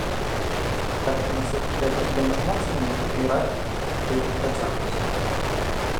Tarp institute dirbančių mokslininkų yra kaip doc.